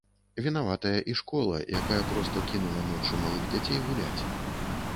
Вінаватая і школа, якая проста кінула ноччу малых дзяцей гуляць.